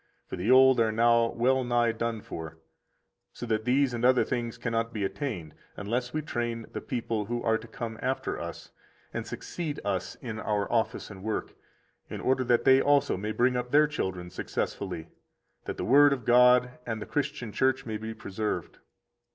86 For the old are now well nigh done for, so that these and other things cannot be attained, unless we train the people who are to come after us and succeed us in our office and work, in order that they also may bring up their children successfully, that the Word of God and the Christian Church may be preserved.